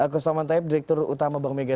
kustaman taib direktur utama bank mega